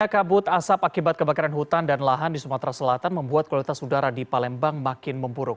kabut asap akibat kebakaran hutan dan lahan di sumatera selatan membuat kualitas udara di palembang makin memburuk